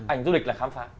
ảnh du lịch là khám phá